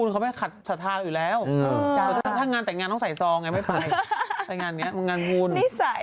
เขาจะเชิญร่อนรึเปล่า